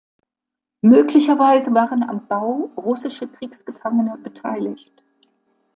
Möglicherweise waren am Bau russische Kriegsgefangene beteiligt.